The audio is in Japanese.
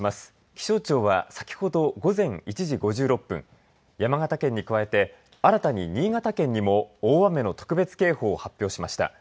気象庁は先ほど午前１時５６分山形県に加えて新たに新潟県にも大雨の特別警報を発表しました。